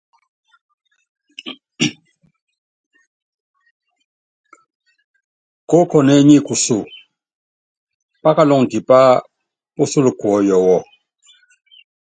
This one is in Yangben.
Koókone nyi kuso, pákaluŋɔ tipá pátala kuɔyɔ wu.